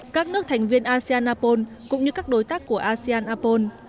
các nước thành viên asean apol cũng như các đối tác của asean apol